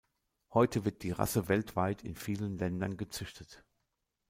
Heute wird die Rasse weltweit in vielen Ländern gezüchtet.